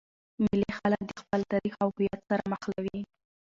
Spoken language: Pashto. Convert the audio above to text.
مېلې خلک د خپل تاریخ او هویت سره مښلوي.